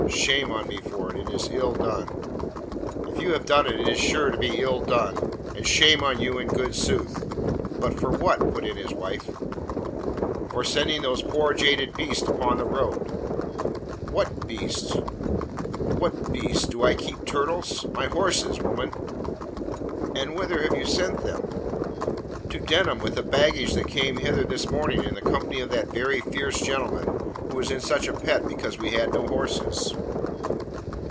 "Shame on me for it; it is ill done!" "If you have done it 'tis sure to be ill done, and shame on you in good sooth but for what?" put in his wife. "For sending those poor jaded beasts upon the road." "What beasts?" "What beasts? Do I keep turtles? My horses, woman." "And whither have you sent them?" "To Denham with the baggage that came hither this morning in the company of that very fierce gentleman who was in such a pet because we had no horses."